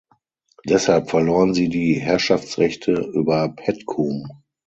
Deshalb verloren sie die Herrschaftsrechte über Petkum.